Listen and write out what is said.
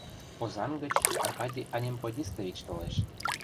— Озаҥ гыч Аркадий Анемподистович толеш.